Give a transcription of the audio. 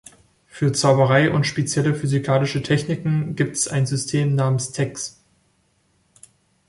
Für Zauberei und spezielle physikalische Techniken gibt es ein System namens Techs.